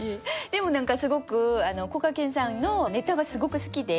でも何かすごくこがけんさんのネタがすごく好きで。